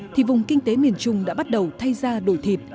thì vùng kinh tế miền trung đã bắt đầu thay ra đổi thịt